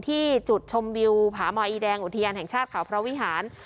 ที่จุดชมวิวผามอยอีแดงอุทยานแห่งชาติเขาพระวิหาร